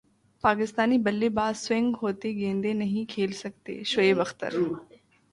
پاکستانی بلے باز سوئنگ ہوتی گیندیں نہیں کھیل سکتے شعیب اختر